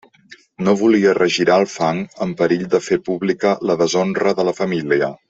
No volia regirar el fang, amb perill de fer pública la deshonra de la família.